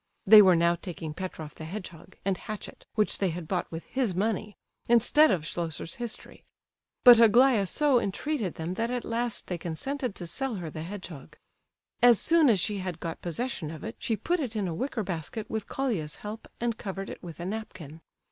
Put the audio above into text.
They were now taking Petroff the hedgehog and hatchet which they had bought with his money, instead of Schlosser's History. But Aglaya so entreated them that at last they consented to sell her the hedgehog. As soon as she had got possession of it, she put it in a wicker basket with Colia's help, and covered it with a napkin.